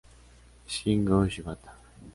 Shingo Shibata